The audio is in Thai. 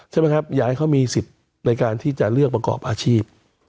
ใช่ไหมครับอยากให้เขามีสิทธิ์ในการที่จะเลือกประกอบอาชีพ